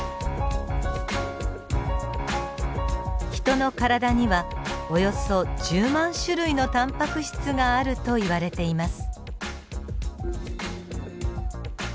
ヒトの体にはおよそ１０万種類のタンパク質があるといわれています。